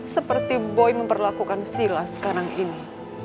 seperti boy memperlakukan sila sekarang ini